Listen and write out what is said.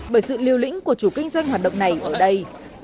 bởi sự liều lĩnh của chủ kinh doanh hoạt động này ở đây